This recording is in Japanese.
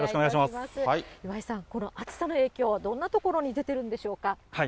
岩井さん、この暑さの影響はどんなところに出てるんでしょうか。